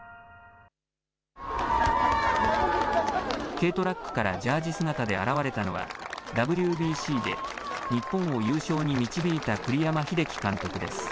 軽トラックからジャージ姿で現れたのはＷＢＣで日本を優勝に導いた栗山英樹監督です。